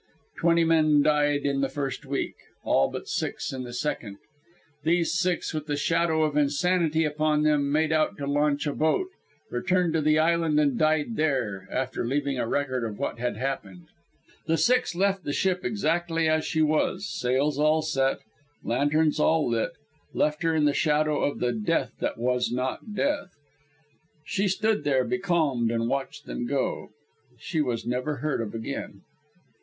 Twenty men died in the first week, all but six in the second. These six, with the shadow of insanity upon them, made out to launch a boat, returned to the island and died there, after leaving a record of what had happened. The six left the ship exactly as she was, sails all set, lanterns all lit left her in the shadow of the Death that was not Death. She stood there, becalmed, and watched them go. She was never heard of again.